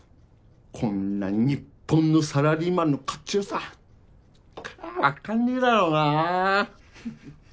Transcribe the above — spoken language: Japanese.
こんなニッポンのサラリーマンのかっちょ良さわかんねえだろぉな。